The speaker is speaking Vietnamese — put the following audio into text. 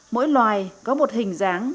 mỗi loài có một hình dáng